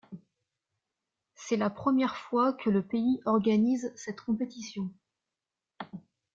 C'est la première fois que le pays organise cette compétition.